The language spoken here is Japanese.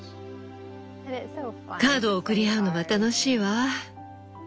カードを送り合うのは楽しいわ。